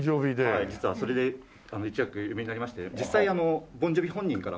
はい実はそれで一躍有名になりまして実際ボン・ジョヴィ本人からもですね。